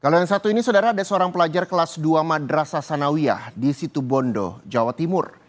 kalau yang satu ini saudara ada seorang pelajar kelas dua madrasah sanawiyah di situ bondo jawa timur